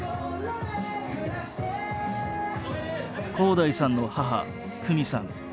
洸大さんの母公美さん。